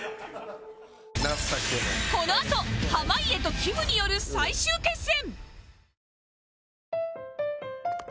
このあと濱家ときむによる最終決戦